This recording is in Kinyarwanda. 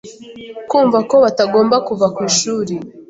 kumva ko batagomba kuva kw’ishuli